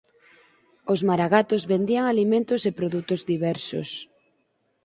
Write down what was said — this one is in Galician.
Os maragatos vendían alimentos e produtos diversos